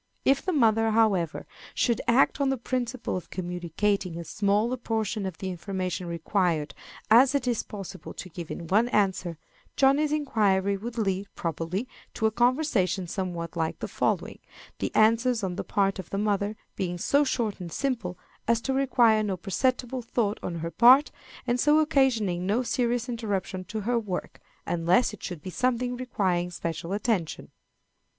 If the mother, however, should act on the principle of communicating as small a portion of the information required as it is possible to give in one answer, Johnny's inquiry would lead, probably, to a conversation somewhat like the following, the answers on the part of the mother being so short and simple as to require no perceptible thought on her part, and so occasioning no serious interruption to her work, unless it should be something requiring special attention.